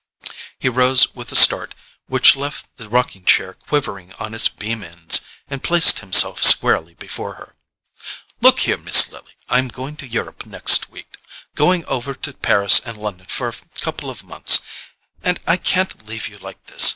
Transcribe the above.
He rose with a start which left the rocking chair quivering on its beam ends, and placed himself squarely before her. "Look here, Miss Lily, I'm going to Europe next week: going over to Paris and London for a couple of months—and I can't leave you like this.